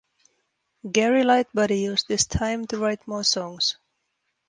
Gary Lightbody used this time to write more songs.